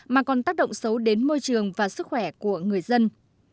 mà còn tác động xấu đến môi trường và sức khỏe của người dân